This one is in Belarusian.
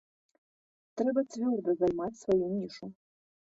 Трэба цвёрда займаць сваю нішу.